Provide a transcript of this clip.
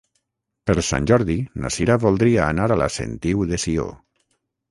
Per Sant Jordi na Sira voldria anar a la Sentiu de Sió.